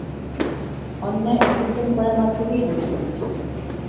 অন্যায় অতিক্রম করা মাত্রকেই দোষ দিচ্ছি।